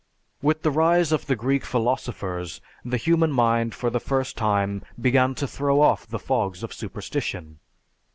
With the rise of the Greek philosophers, the human mind for the first time began to throw off the fogs of superstition.